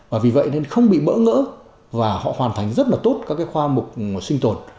và vì vậy nên không bị bỡ ngỡ và họ hoàn thành rất là tốt các khoa mục sinh tồn